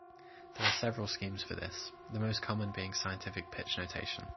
There are several schemes for this, the most common being scientific pitch notation.